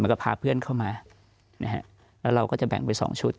แล้วก็พาเพื่อนเข้ามานะฮะแล้วเราก็จะแบ่งไปสองชุด